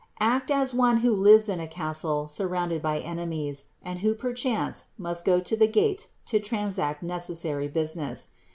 Act as one who lives in a castle surrounded by enemies, and who perchance must go to the gate to transact necessary business.